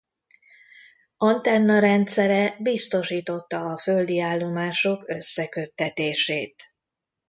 Antenna rendszere biztosította a földi állomások összeköttetését.